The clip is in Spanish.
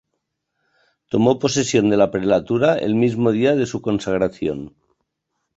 Tomó posesión de la prelatura el mismo día de su consagración.